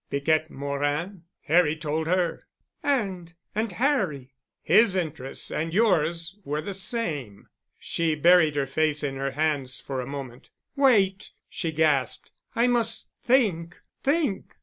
"Piquette Morin—Harry told her." "And—and Harry—?" "His interests and yours were the same." She buried her face in her hands for a moment. "Wait," she gasped. "I must think—think."